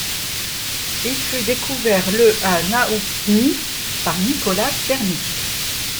Il fut découvert le à Naoutchnyï par Nikolaï Tchernykh.